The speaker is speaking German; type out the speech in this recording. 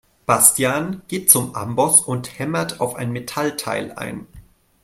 Bastian geht zum Amboss und hämmert auf ein Metallteil ein.